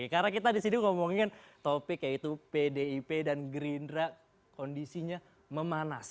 karena kita disini ngomongin topik yaitu pdip dan gerindra kondisinya memanas